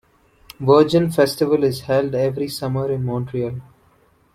Virgin Festival is held every summer in Montreal.